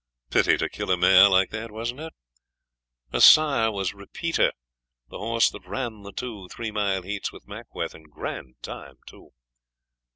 Pity to kill a mare like that, wasn't it? Her sire was Repeater, the horse that ran the two three mile heats with Mackworth, in grand time, too.'